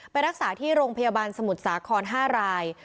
ไปรักษาที่โรงพยาบาลสมุทรสาคร๕ราย